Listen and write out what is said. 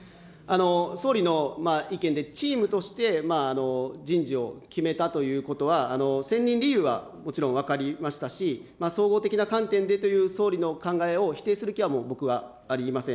総理の意見で、チームとして人事を決めたということは、選任理由はもちろん分かりましたし、総合的な観点でという総理のお考えを否定する気は、僕はありません。